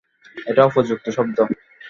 এটা উপযুক্ত শব্দ।